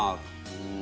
うん。